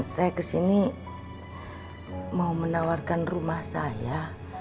saya kesini mau menawarkan rumah saya